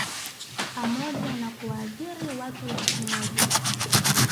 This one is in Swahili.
pamoja na kuwaajiri watu laki moja